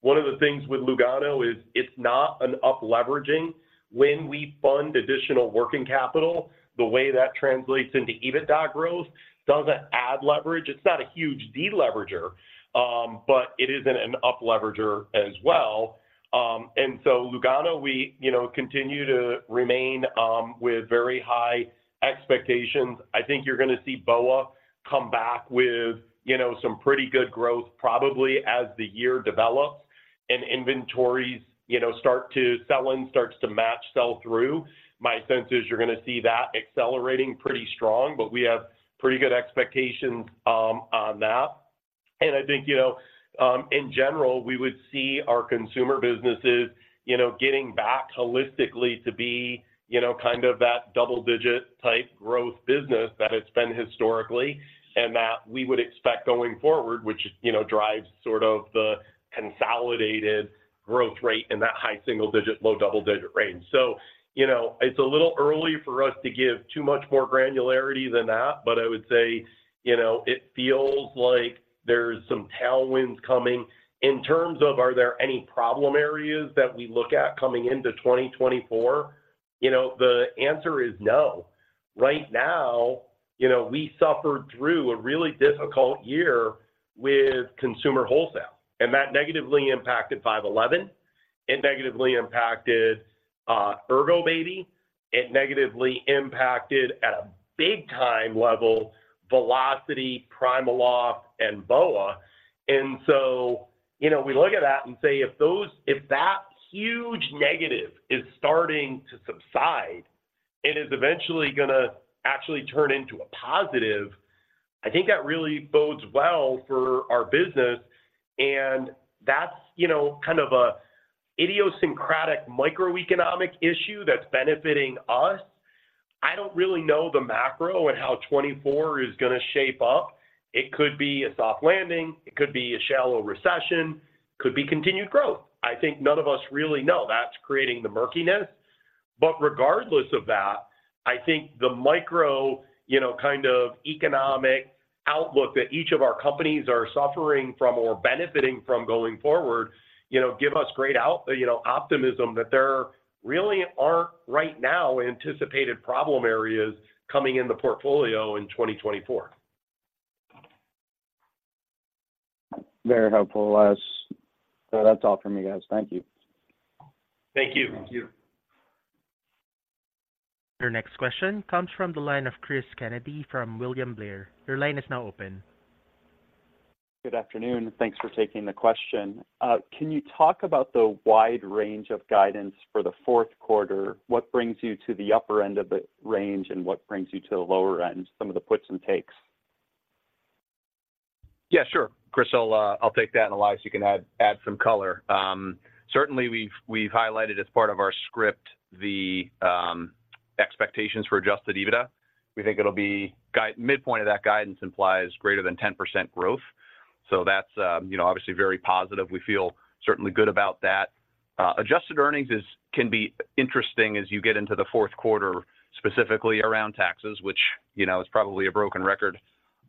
One of the things with Lugano is it's not an up-leveraging. When we fund additional working capital, the way that translates into EBITDA growth doesn't add leverage. It's not a huge de-leverager, but it isn't an up-leverager as well. And so Lugano, we, you know, continue to remain with very high expectations. I think you're gonna see BOA come back with, you know, some pretty good growth, probably as the year develops and inventories, you know, selling starts to match sell-through. My sense is you're gonna see that accelerating pretty strong, but we have pretty good expectations on that. I think, you know, in general, we would see our consumer businesses, you know, getting back holistically to be, you know, kind of that double-digit type growth business that it's been historically, and that we would expect going forward, which, you know, drives sort of the consolidated growth rate in that high single digit, low double-digit range. So, you know, it's a little early for us to give too much more granularity than that, but I would say, you know, it feels like there's some tailwinds coming. In terms of, are there any problem areas that we look at coming into 2024? You know, the answer is no. Right now, you know, we suffered through a really difficult year with consumer wholesale, and that negatively impacted 5.11, it negatively impacted, Ergobaby, it negatively impacted at a big time level, Velocity, PrimaLoft, and BOA. So, you know, we look at that and say, if that huge negative is starting to subside, it is eventually gonna actually turn into a positive. I think that really bodes well for our business, and that's, you know, kind of a idiosyncratic microeconomic issue that's benefiting us. I don't really know the macro and how 2024 is gonna shape up. It could be a soft landing, it could be a shallow recession, could be continued growth. I think none of us really know. That's creating the murkiness. But regardless of that, I think the micro, you know, kind of economic outlook that each of our companies are suffering from or benefiting from going forward, you know, give us great outlook, you know, optimism that there really aren't right now anticipated problem areas coming in the portfolio in 2024. Very helpful, Elias. So that's all from me, guys. Thank you. Thank you. Thank you. Your next question comes from the line of Chris Kennedy from William Blair. Your line is now open. Good afternoon. Thanks for taking the question. Can you talk about the wide range of guidance for the fourth quarter? What brings you to the upper end of the range, and what brings you to the lower end? Some of the puts and takes. Yeah, sure. Chris, I'll take that, and Elias, you can add some color. Certainly, we've highlighted as part of our script the expectations for Adjusted EBITDA. We think it'll be midpoint of that guidance implies greater than 10% growth. So that's, you know, obviously very positive. We feel certainly good about that. Adjusted earnings can be interesting as you get into the fourth quarter, specifically around taxes, which, you know, is probably a broken record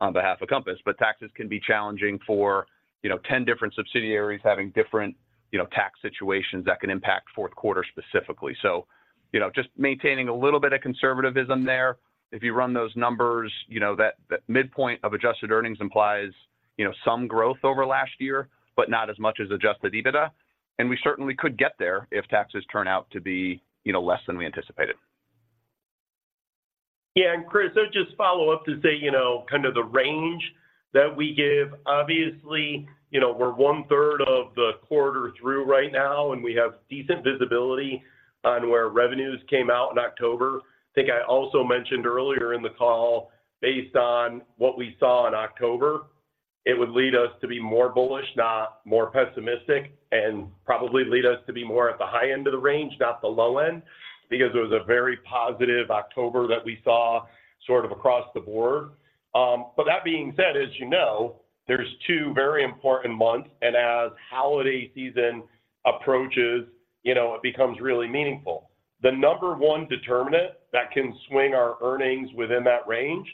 on behalf of Compass. But taxes can be challenging for, you know, 10 different subsidiaries having different, you know, tax situations that can impact fourth quarter specifically. So, you know, just maintaining a little bit of conservatism there. If you run those numbers, you know, that midpoint of Adjusted Earnings implies, you know, some growth over last year, but not as much as Adjusted EBITDA, and we certainly could get there if taxes turn out to be, you know, less than we anticipated. Yeah, and Chris, I'll just follow up to say, you know, kind of the range that we give, obviously, you know, we're one-third of the quarter through right now, and we have decent visibility on where revenues came out in October. I think I also mentioned earlier in the call, based on what we saw in October, it would lead us to be more bullish, not more pessimistic, and probably lead us to be more at the high end of the range, not the low end, because it was a very positive October that we saw sort of across the board. But that being said, as you know, there's two very important months, and as holiday season approaches, you know, it becomes really meaningful. The number one determinant that can swing our earnings within that range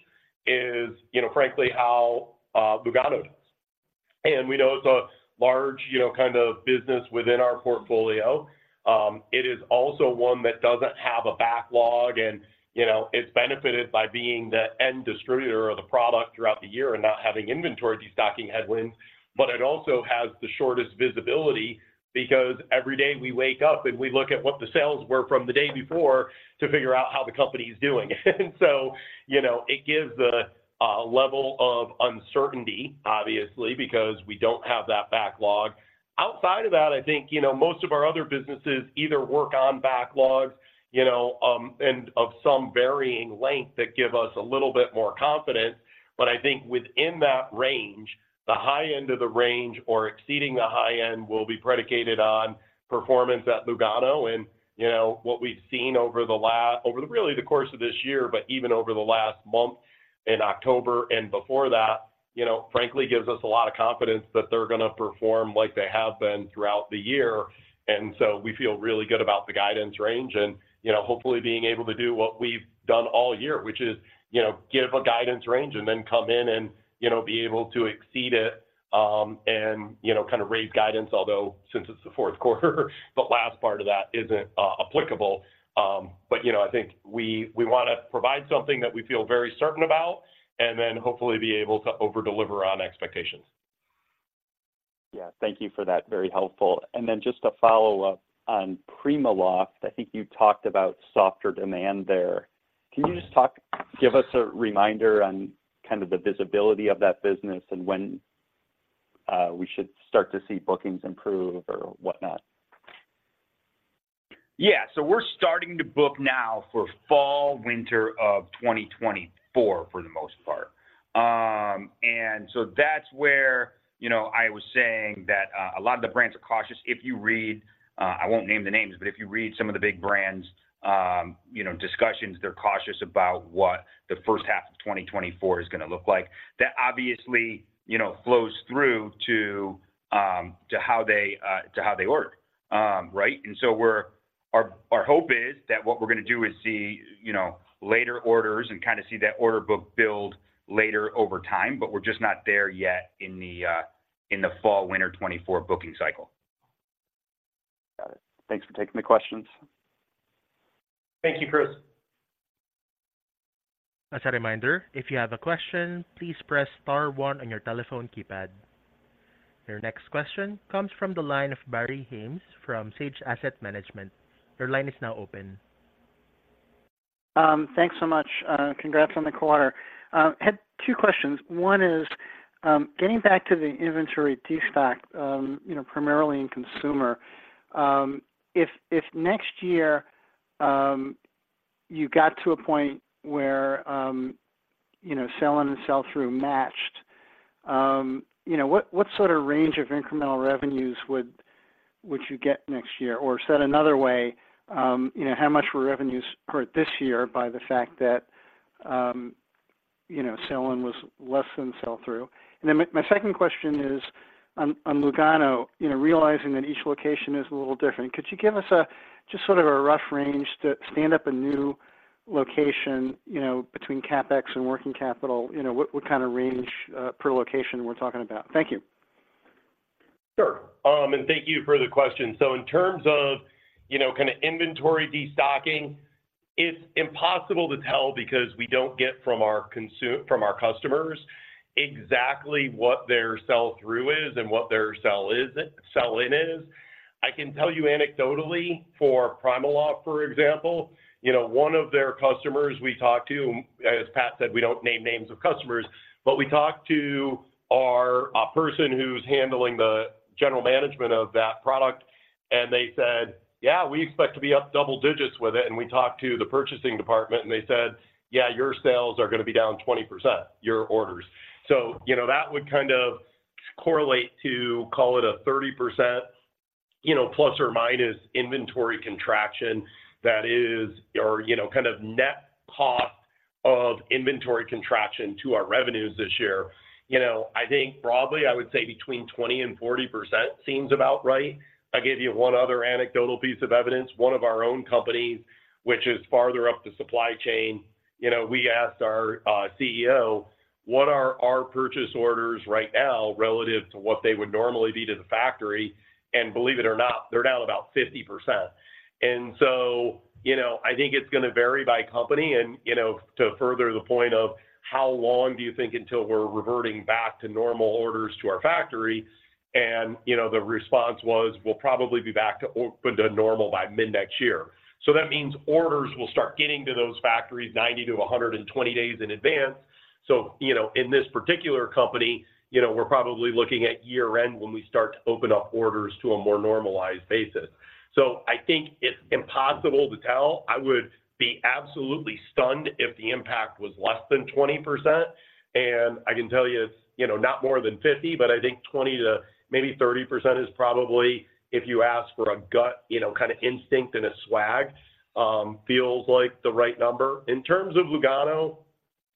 is, you know, frankly, how Lugano does. We know it's a large, you know, kind of business within our portfolio. It is also one that doesn't have a backlog and, you know, it's benefited by being the end distributor of the product throughout the year and not having inventory destocking headwinds. But it also has the shortest visibility because every day we wake up, and we look at what the sales were from the day before to figure out how the company is doing. And so, you know, it gives a level of uncertainty, obviously, because we don't have that backlog. Outside of that, I think, you know, most of our other businesses either work on backlogs, you know, and of some varying length that give us a little bit more confidence. But I think within that range, the high end of the range or exceeding the high end will be predicated on performance at Lugano. And, you know, what we've seen over really the course of this year, but even over the last month in October and before that, you know, frankly gives us a lot of confidence that they're gonna perform like they have been throughout the year. And so we feel really good about the guidance range and, you know, hopefully being able to do what we've done all year, which is, you know, give a guidance range and then come in and, you know, be able to exceed it, and, you know, kind of raise guidance. Although, since it's the fourth quarter, the last part of that isn't applicable. But, you know, I think we wanna provide something that we feel very certain about and then hopefully be able to over-deliver on expectations. Yeah. Thank you for that. Very helpful. And then just a follow-up on PrimaLoft. I think you talked about softer demand there. Can you just give us a reminder on kind of the visibility of that business and when we should start to see bookings improve or whatnot? Yeah. So we're starting to book now for fall, winter of 2024, for the most part. And so that's where, you know, I was saying that a lot of the brands are cautious. If you read, I won't name the names, but if you read some of the big brands, you know, discussions, they're cautious about what the first half of 2024 is gonna look like. That obviously, you know, flows through to to how they, to how they work. Right? And so we're- our, our hope is that what we're gonna do is see, you know, later orders and kind of see that order book build later over time, but we're just not there yet in the in the fall, winter 2024 booking cycle. Got it. Thanks for taking the questions. Thank you, Chris. As a reminder, if you have a question, please press star one on your telephone keypad. Your next question comes from the line of Barry Haimes from Sage Asset Management. Your line is now open. Thanks so much. Congrats on the quarter. Had two questions. One is, getting back to the inventory destocking, you know, primarily in consumer, if next year you got to a point where, you know, Sell-In and Sell-Through matched, you know, what sort of range of incremental revenues would you get next year? Or said another way, you know, how much were revenues hurt this year by the fact that, you know, Sell-In was less than Sell-Through? And then my second question is on Lugano. You know, realizing that each location is a little different, could you give us just sort of a rough range to stand up a new location, you know, between CapEx and working capital? You know, what kind of range per location we're talking about? Thank you. Sure. And thank you for the question. So in terms of, you know, kind of inventory destocking, it's impossible to tell because we don't get from our customers exactly what their Sell-through is and what their Sell-in is. I can tell you anecdotally, for PrimaLoft, for example, you know, one of their customers we talked to, as Pat said, we don't name names of customers, but we talked to a person who's handling the general management of that product, and they said, Yeah, we expect to be up double digits with it. And we talked to the purchasing department, and they said, "Yeah, your sales are gonna be down 20%, your orders. So, you know, that would kind of correlate to call it a 30% ± inventory contraction that is or, you know, kind of net cost of inventory contraction to our revenues this year. You know, I think broadly, I would say between 20% and 40% seems about right. I'll give you one other anecdotal piece of evidence. One of our own companies, which is farther up the supply chain, you know, we asked our CEOWhat are our purchase orders right now relative to what they would normally be to the factory? And believe it or not, they're down about 50%. And so, you know, I think it's gonna vary by company and, you know, to further the point of how long do you think until we're reverting back to normal orders to our factory? And, you know, the response was, "We'll probably be back to or to normal by mid-next year." So that means orders will start getting to those factories 90-120 days in advance. So, you know, in this particular company, you know, we're probably looking at year-end when we start to open up orders to a more normalized basis. So I think it's impossible to tell. I would be absolutely stunned if the impact was less than 20%, and I can tell you it's, you know, not more than 50, but I think 20% to maybe 30% is probably, if you ask for a gut, you know, kind of instinct and a swag, feels like the right number. In terms of Lugano,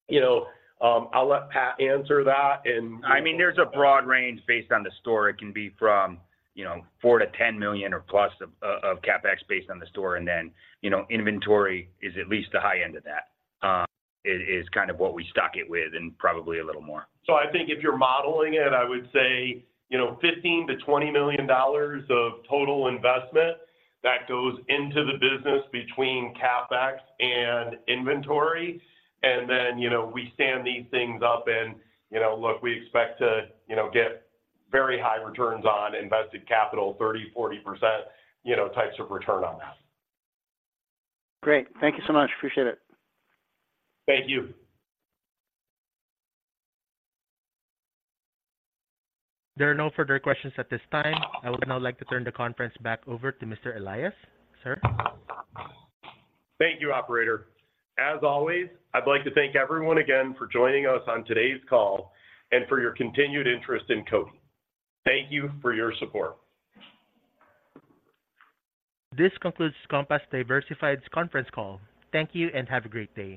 you know, I'll let Pat answer that and- I mean, there's a broad range based on the store. It can be from, you know, $4 million-$10 million or plus of CapEx based on the store, and then, you know, inventory is at least the high end of that. It is kind of what we stock it with and probably a little more. So I think if you're modeling it, I would say, you know, $15 million-$20 million of total investment that goes into the business between CapEx and inventory. And then, you know, we stand these things up and, you know, look, we expect to, you know, get very high returns on invested capital, 30%-40%, you know, types of return on that. Great. Thank you so much. Appreciate it. Thank you. There are no further questions at this time. I would now like to turn the conference back over to Mr. Elias, sir. Thank you, Operator. As always, I'd like to thank everyone again for joining us on today's call and for your continued interest in Compass Diversified. Thank you for your support. This concludes Compass Diversified's conference call. Thank you and have a great day.